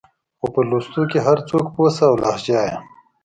خو په لوستو کې هر څوک پوه شه او لهجه يې